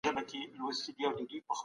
ډیپلوماټان کله د اتباعو ساتنه کوي؟